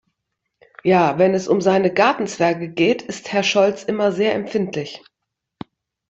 Ja, wenn es um seine Gartenzwerge geht, ist Herr Scholz immer sehr empfindlich.